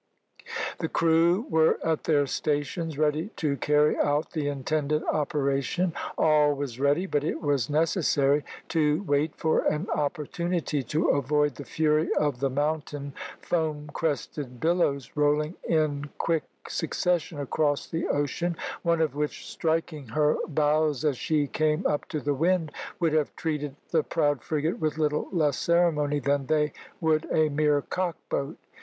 The crew were at their stations, ready to carry out the intended operation. All was ready, but it was necessary to wait for an opportunity to avoid the fury of the mountain foam crested billows, rolling in quick succession across the ocean, one of which, striking her bows as she came up to the wind, would have treated the proud frigate with little less ceremony than they would a mere cock boat.